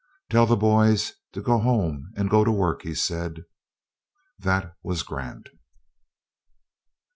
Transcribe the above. "Tell the boys to go home and go to work," he said. That was Grant.